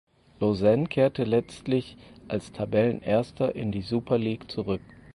Lausanne kehrte letztlich als Tabellenerster in die Super League zurück.